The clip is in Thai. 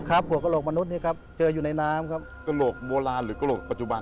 หัวกระโลกมนุษย์นี้ครับเจออยู่ในน้ำครับกระโหลกโบราณหรือกระโหลกปัจจุบัน